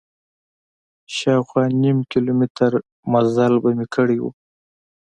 شاوخوا نیم کیلومتر مزل به مې کړی و.